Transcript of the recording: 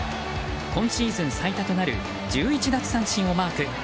今シーズン最多となる１１奪三振をマーク。